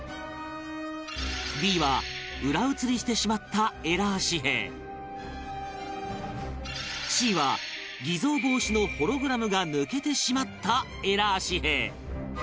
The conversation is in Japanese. Ｂ は裏写りしてしまったエラー紙幣Ｃ は偽造防止のホログラムが抜けてしまったエラー紙幣